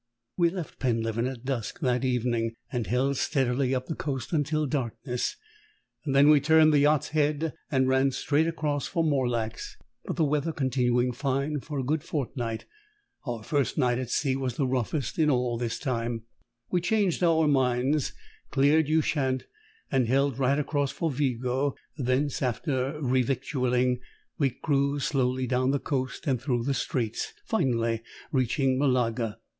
We left Penleven at dusk that evening, and held steadily up the coast until darkness. Then we turned the yacht's head, and ran straight across for Morlaix; but the weather continuing fine for a good fortnight (our first night at sea was the roughest in all this time), we changed our minds, cleared Ushant, and held right across for Vigo; thence, after re victualling, we cruised slowly down the coast and through the Straits, finally reaching Malaga.